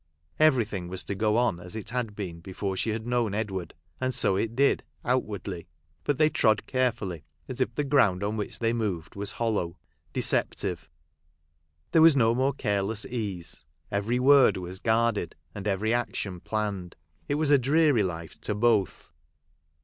Every thing was to go on as it had been before she had known Edward ; and so it did, outwardly ; but they trod carefully, as if the ground on which they moved was hollow—deceptive. There was no more careless ease ; every word was guarded, and every action planned. It was a dreary life to both.